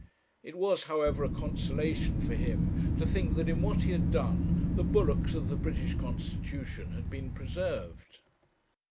It was, however, a consolation for him to think that in what he had done the bulwarks of the British constitution had been preserved.